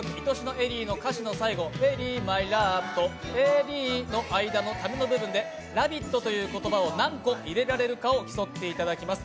エリーｍｙｌｏｖｅエリーの間の「エリー」の間のタメの部分で「ラヴィット！」という言葉を何個入れられるかを競っていただきます。